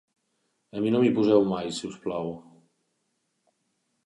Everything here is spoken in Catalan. A mi no m'hi poseu mai, si us plau.